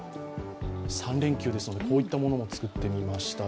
３連休ですので、こういったものも作ってみました。